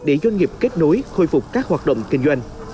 hãy kết nối khôi phục các hoạt động kinh doanh